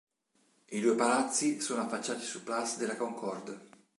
I due palazzi sono affacciati su Place de la Concorde.